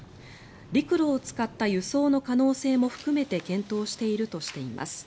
陸路を使った輸送の可能性も含めて検討しているとしています。